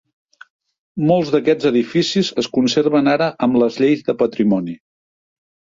Molts d'aquests edificis es conserven ara amb les lleis de patrimoni.